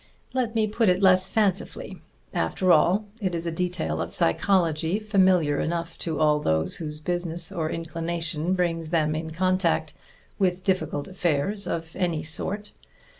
Let me put it less fancifully. After all, it is a detail of psychology familiar enough to all whose business or inclination brings them in contact with difficult affairs of any sort.